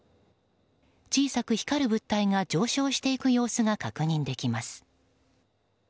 小さく光る物体が上昇していく様子が確認できます。